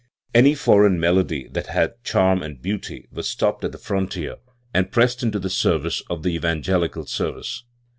Any foreign melody that had charm and beauty was stopped at the frontier and pressed into the service of the evangelical service.